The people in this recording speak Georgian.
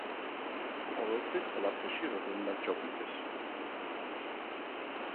ყოველთვის, ყველაფერში როგორ უნდა გჯობნიდეს?